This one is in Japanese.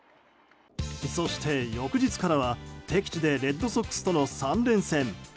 そして翌日からは、敵地でレッドソックスとの３連戦。